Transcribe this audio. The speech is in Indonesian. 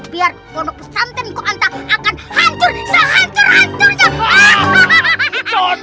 biar pondok pesantrenku antar akan hancur